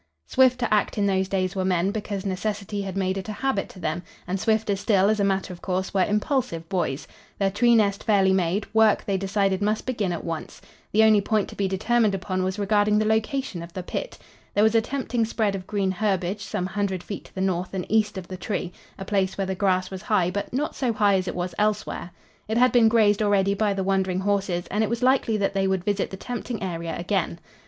Swift to act in those days were men, because necessity had made it a habit to them, and swifter still, as a matter of course, were impulsive boys. Their tree nest fairly made, work, they decided, must begin at once. The only point to be determined upon was regarding the location of the pit. There was a tempting spread of green herbage some hundred feet to the north and east of the tree, a place where the grass was high but not so high as it was elsewhere. It had been grazed already by the wandering horses and it was likely that they would visit the tempting area again.